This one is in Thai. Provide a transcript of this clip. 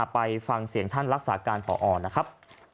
ไปฟังเสียงท่านรักษาการพอนะครับ